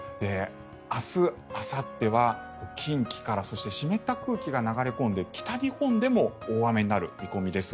明日あさっては近畿からそして湿った空気が流れ込んで北日本でも大雨になる見込みです。